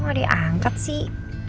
kok gak diangkat sih